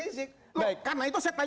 ya kan kita tahu